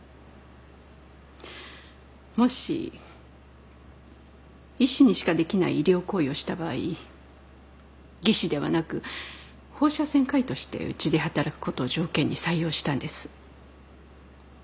もし医師にしかできない医療行為をした場合技師ではなく放射線科医としてうちで働くことを条件に採用したんです。